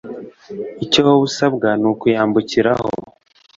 Icyo wowe usabwa ni ukuyambukiraho